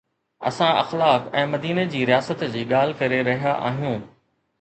اسان اخلاق ۽ مديني جي رياست جي ڳالهه ڪري رهيا آهيون